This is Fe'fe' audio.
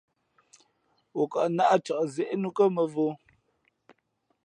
O kαʼ nāʼ cak zě nǔkά mᾱvǒ.